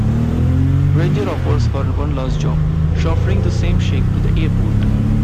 Ranger offers her one last job: chauffeuring the same sheik to the airport.